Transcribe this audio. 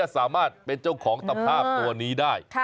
สามารถเป็นเจ้าของตภาพตัวนี้ได้